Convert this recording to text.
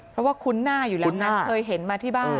เพราะว่าคุ้นหน้าอยู่แล้วนะเคยเห็นมาที่บ้าน